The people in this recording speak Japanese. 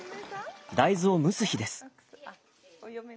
大豆を蒸す日です。